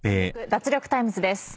脱力タイムズ』です。